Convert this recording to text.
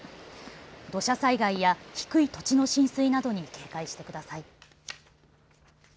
土砂災害や低い土地の浸水などに警戒してください。